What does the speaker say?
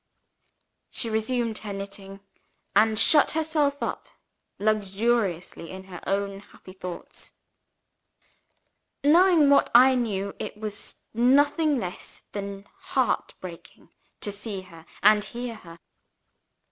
She resumed her knitting, and shut herself up luxuriously in her own happy thoughts. Knowing what I knew, it was nothing less than heart breaking to see her and hear her.